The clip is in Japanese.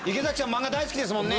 漫画大好きですもんね。